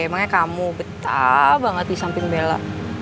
emangnya kamu betah banget di samping bella